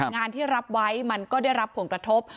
งานที่รับไว้มันก็ได้รับผลกระทบ